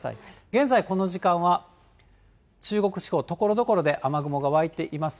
現在、この時間は、中国地方、ところどころで雨雲が湧いています。